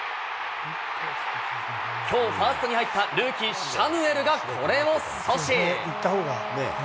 きょう、ファーストに入ったルーキー、シャヌエルがこれを阻止。